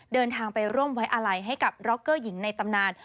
เดินทางไปร่วมไว้อาลัยให้กับร็อกเกอร์หญิงในตำนาน